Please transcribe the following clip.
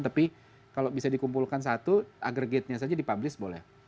tapi kalau bisa dikumpulkan satu agregatnya saja dipublish boleh